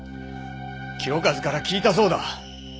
清和から聞いたそうだ。